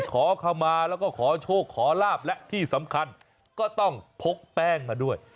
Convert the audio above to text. ขอเข้ามาแล้วก็ขอโชคขอลาบและที่สำคัญก็ต้องพกแป้งมาด้วย